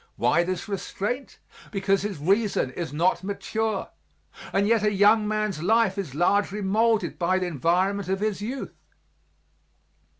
Why this restraint? Because his reason is not mature; and yet a man's life is largely moulded by the environment of his youth.